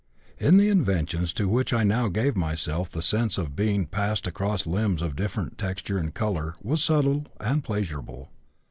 In the inventions to which I now gave myself the sense of being passed across limbs of different texture and color was subtle and pleasurable.